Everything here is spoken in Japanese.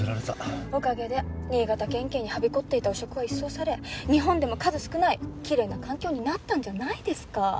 おかげで新潟県警にはびこっていた汚職は一掃され日本でも数少ないきれいな環境になったんじゃないですか！